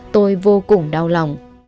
tôi vô cùng đau lòng